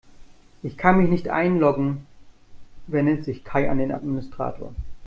Ich kann mich nicht einloggen, wendet sich Kai an den Administrator.